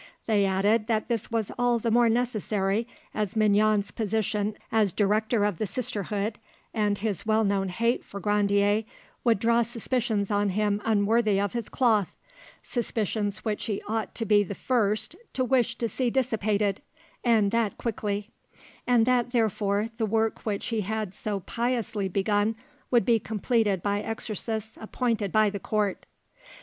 They added that this was all the more necessary as Mignon's position as director of the sisterhood and his well known hate for Grandier would draw suspicions on him unworthy of his cloth, suspicions which he ought to be the first to wish to see dissipated, and that quickly; and that, therefore, the work which he had so piously begun would be completed by exorcists appointed by the court.